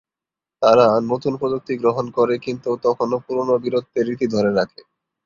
তারা নতুন প্রযুক্তি গ্রহণ করে, কিন্তু তখনও পুরনো বীরত্বের রীতি ধরে রাখে।